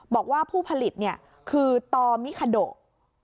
บอกว่าผู้ผลิตคือตอมิคาโด